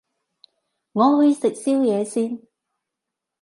我去食宵夜先